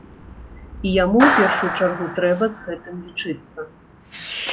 І яму ў першую чаргу трэба з гэтым лічыцца.